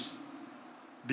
yang begitu strategis